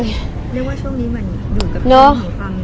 เกินน้อง